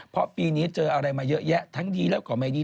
เพราะปีนี้เจออะไรมาเยอะแยะทั้งดีแล้วก็ไม่ดี